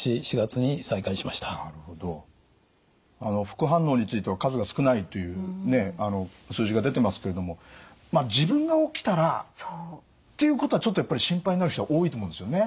副反応については数が少ないという数字が出てますけれどもまあ自分が起きたらということはちょっとやっぱり心配になる人は多いと思うんですよね。